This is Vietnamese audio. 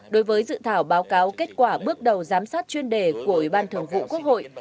đối với dự thảo báo cáo kết quả bước đầu giám sát chuyên đề của ủy ban thường vụ quốc hội